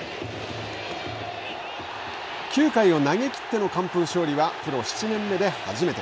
９回を投げ切っての完封勝利はプロ７年目で初めて。